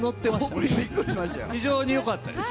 非常によかったです。